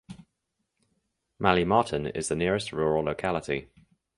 Maly Martyn is the nearest rural locality.